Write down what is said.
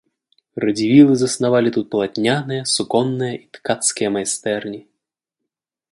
Радзівілы заснавалі тут палатняныя, суконныя і ткацкія майстэрні.